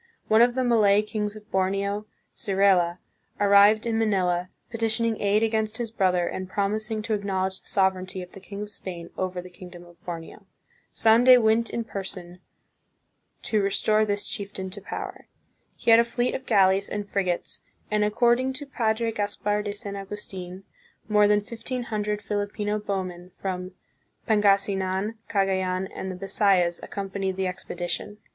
One of the Malay kings of Borneo, Sirela, arrived in Ma nila, petitioning aid against his brother, and promising to acknowledge the sovereignty of the king of Spain over the kingdom of Borneo. Sande went in person to restore 146 THE PHILIPPINES. this chieftain to power. He had a fleet of galleys and frigates, and, according to Padre Caspar de San Augustin, more than fifteen hundred Filipino bowmen from Pangasi nan, Cagayan, and the Bisayas accompanied the expedition.